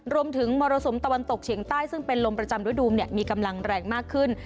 รวมถึงมรสุมตะวันตกเฉียงใต้ซึ่งเป็นลมประจำด้วยดูมเนี่ยมีกำลังแรงมากขึ้น